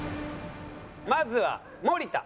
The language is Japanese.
まずは森田。